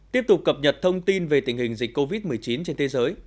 tiếp tục cập nhật thông tin về tình hình dịch covid một mươi chín trên thế giới